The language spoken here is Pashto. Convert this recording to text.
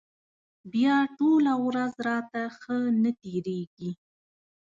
بیا ټوله ورځ راته ښه نه تېرېږي.